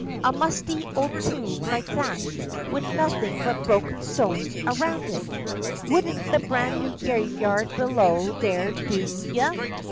A musty ould tomb like that, wid nothin but broken stones around it. Wouldn't the brand new graveyard below there do ye?